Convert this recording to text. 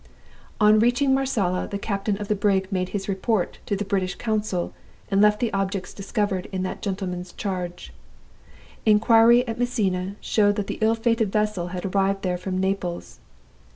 On reaching Marsala, the captain of the brig made his report to the British consul, and left the objects discovered in that gentleman's charge. Inquiry at Messina showed that the ill fated vessel had arrived there from Naples.